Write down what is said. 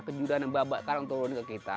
kejujuran yang bakal turun ke kita